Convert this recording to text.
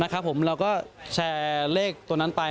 เราก็แชร์เลขตัวนั้นไป